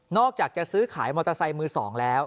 อกจากจะซื้อขายมอเตอร์ไซค์มือ๒แล้ว